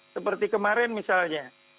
seperti kemarin misalnya